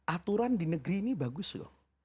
aturan di negeri ini bagus loh